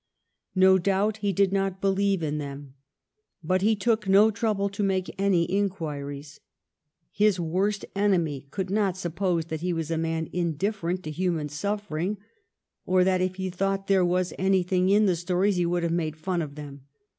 No doubt he did not believe in them. But he took no trouble to make any inquiries. His worst enemy could not suppose that he was a man indifferent to human suffering, or that if he thought there was anything in the stories he would have made fun of them.